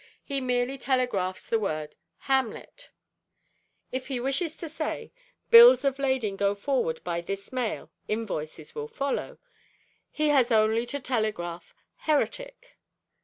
he merely telegraphs the word `_Hamlet_.' If he wishes to say `_Bills of lading go forward by this mail, Invoices will follow_,' he has only to telegraph `_Heretic_.'